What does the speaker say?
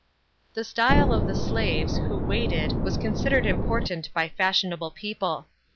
* The style of the slaves, who waited, was considered important by fashionable people.